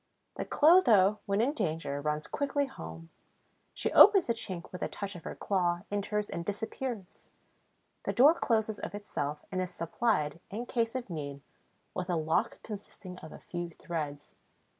The Clotho, when in danger, runs quickly home; she opens the chink with a touch of her claw, enters and disappears. The door closes of itself and is supplied, in case of need, with a lock consisting of a few threads.